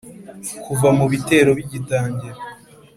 kuva mu ibitero bigitangira,